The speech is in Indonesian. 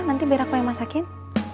nanti biar aku yang masakin